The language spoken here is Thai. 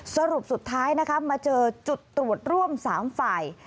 สรุปสุดท้ายนะคะมาเจอจุดตรวจร่วม๓ฝ่าย